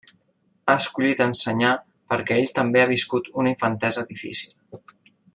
Ha escollit ensenyar perquè ell també ha viscut una infantesa difícil.